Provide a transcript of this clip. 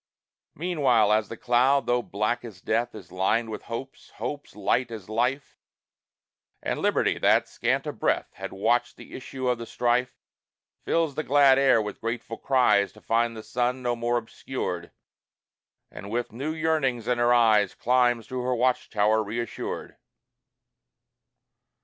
Meanwhile the cloud, though black as death, Is lined with hopes, hopes light as life, And Liberty that, scant of breath, Had watched the issue of the strife, Fills the glad air with grateful cries To find the sun no more obscured, And with new yearnings in her eyes Climbs to her watch tower reassured.